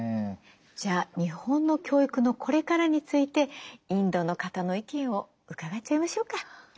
じゃあ日本の教育のこれからについてインドの方の意見を伺っちゃいましょうか。